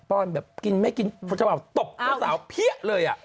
ป้อนแบบกินไม่กินพวกเจ้าสาวตบเจ้าสาวเพี้ยะเลย